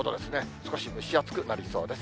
少し蒸し暑くなりそうです。